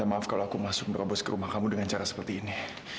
maaf kalau aku masuk nerobos ke rumah kamu dengan cara seperti ini